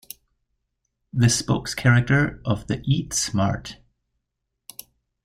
The spokescharacter of the Eat Smart.